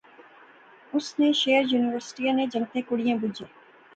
اس نے شعر یونیورسٹی نے جنگتیں کڑئیں بجے